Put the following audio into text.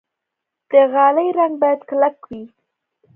د غالۍ رنګ باید کلک وي.